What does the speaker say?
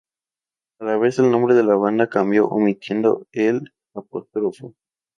A la vez el nombre de la banda cambió omitiendo el apóstrofo.